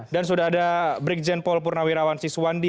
dan sudah ada brikjen paul purnawirawan siswandi